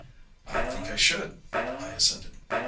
"I think I should," I assented.